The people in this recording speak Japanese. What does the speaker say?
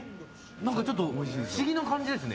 何かちょっと不思議な感じですね。